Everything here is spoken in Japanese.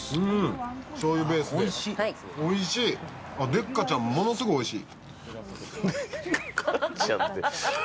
でっかちゃん、ものすごいおいしい。